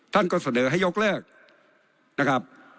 ท่านก็เสนอให้ยกเลิกนะครับ